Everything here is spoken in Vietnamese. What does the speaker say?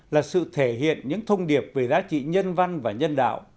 là sự thể hiện những thông điệp về giá trị nhân văn và nhân đạo